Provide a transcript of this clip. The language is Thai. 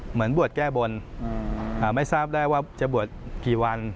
เหมือนบวชแก้บนไม่ทราบได้ว่าจะบวชกี่วัน